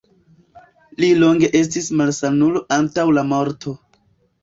Li longe estis malsanulo antaŭ la morto.